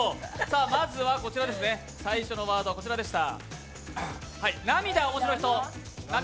まずは最初のワード、こちらでした。